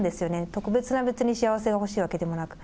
特別な、別に幸せが欲しいわけではなく。